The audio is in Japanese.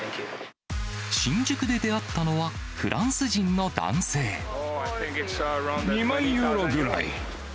新宿で出会ったのは、フラン２万ユーロぐらい。